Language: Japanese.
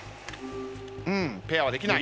ペアはできない。